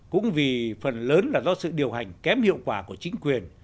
cũng vì phần lớn là do sự điều hành kém hiệu quả của chính quyền